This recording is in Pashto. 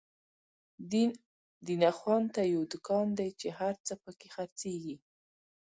دين اخوان ته يو دکان دی، چی هر څه په کی خر څيږی